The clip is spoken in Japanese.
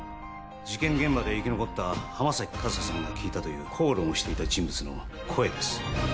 事件現場で生き残った浜崎和沙さんが聞いたという口論をしていた人物の声です。